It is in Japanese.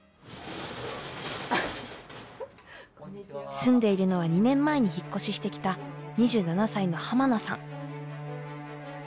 住んでいるのは２年前に引っ越ししてきた２７歳の濱名さん。